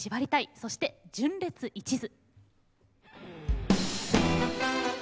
そして「純烈一途」。